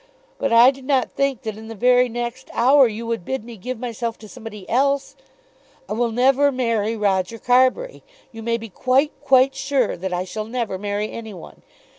But I did not think that in the very next hour you would bid me give myself to somebody else! I will never marry Roger Carbury. You may be quite quite sure that I shall never marry any one.